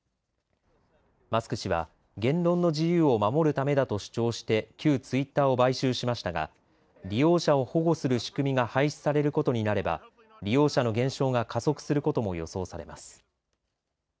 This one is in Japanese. マスク氏は、言論の自由を守るためだと主張して旧ツイッターを買収しましたが利用者を保護する仕組みが廃止されることになれば利用者の減少が加速することも予想されます。